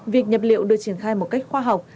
việc nhập liệu được triển khai một cách khoa học